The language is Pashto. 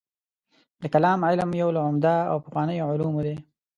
د کلام علم یو له عمده او پخوانیو علومو دی.